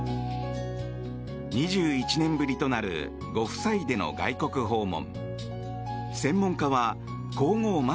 ２１年ぶりとなるご夫妻での外国訪問。